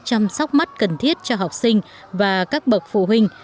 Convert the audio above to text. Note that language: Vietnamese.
chăm sóc mắt cần thiết cho học sinh và các bậc phụ huynh